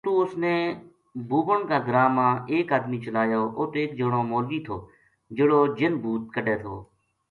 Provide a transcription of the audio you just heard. اُتو اس نے بُوبن کا گراں ما ایک ادمی چلایو اُت ایک جنو مولوی تھو جہڑو جِن بھُوت کُڈھے تھو